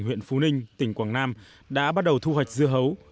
huyện phú ninh tỉnh quảng nam đã bắt đầu thu hoạch dưa hấu